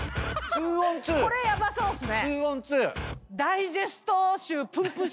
これヤバそうっすね。